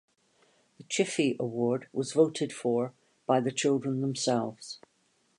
The "Chiffy" award was voted for by the children themselves.